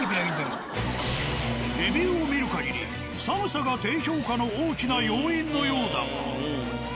レビューを見る限り寒さが低評価の大きな要因のようだが。